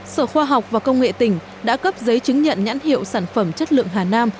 sở khoa học và công nghệ tỉnh đã cấp giấy chứng nhận nhãn hiệu sản phẩm chất lượng hà nam